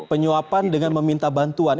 penyuapan dengan meminta bantuan